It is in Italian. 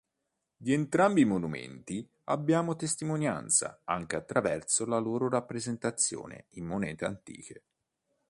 Di entrambi i monumenti abbiamo testimonianza anche attraverso la loro rappresentazione in monete antiche.